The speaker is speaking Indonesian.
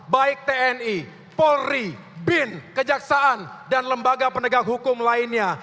baik tni polri bin kejaksaan dan lembaga penegak hukum lainnya